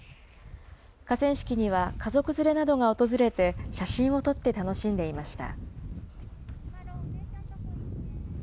河川敷には家族連れなどが訪れて、写真を撮って楽しんでいました。